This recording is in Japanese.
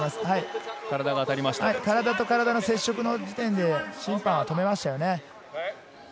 体と体の接触の時点で審判は止めました。